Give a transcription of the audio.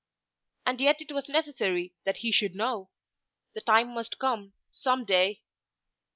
And yet it was necessary that he should know. The time must come, some day.